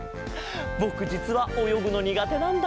ぼくじつはおよぐのにがてなんだ。